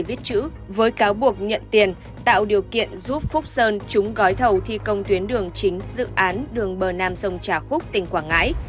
viết chữ với cáo buộc nhận tiền tạo điều kiện giúp phúc sơn trúng gói thầu thi công tuyến đường chính dự án đường bờ nam sông trà khúc tỉnh quảng ngãi